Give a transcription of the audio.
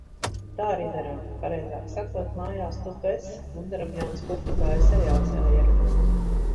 Tā arī darām. Pareizāk sakot, mājās tupu es, – Gundaram jauns portugāļu seriāls jāierunā.